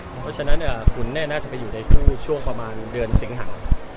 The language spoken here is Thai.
เพราะฉะนั้นคุณน่าจะไปอยู่ในช่วงประมาณเดือนสิงหา